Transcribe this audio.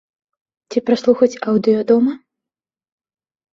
Ці праслухаць аўдыё дома?